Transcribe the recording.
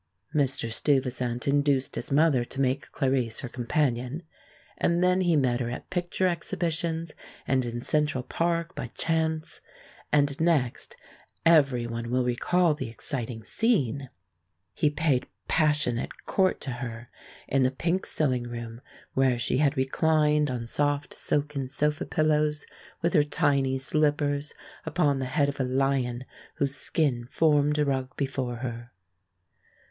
Mr. Stuyvesant induced his mother to make Clarice her companion, and then he met her at picture exhibitions, and in Central Park by chance, and next every one will recall the exciting scene he paid passionate court to her "in the pink sewing room, where she had reclined on soft silken sofa pillows, with her tiny slippers upon the head of a lion whose skin formed a rug before her."